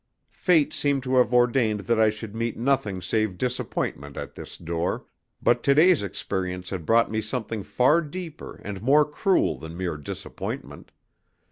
Fate seemed to have ordained that I should meet nothing save disappointment at this door; but to day's experience had brought me something far deeper and more cruel than mere disappointment.